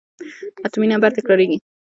اتومي نمبر تکرارېږي.